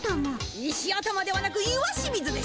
石頭ではなく石清水です！